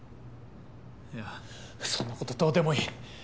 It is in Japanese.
いやそんなことどうでもいい。